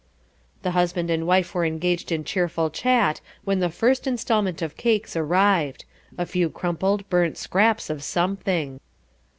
The husband and wife were engaged in cheerful chat when the first instalment of cakes arrived; a few crumpled, burnt scraps of something.